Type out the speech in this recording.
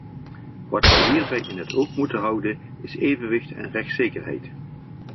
Wat we hierbij in het oog moeten houden, is evenwicht en rechtszekerheid.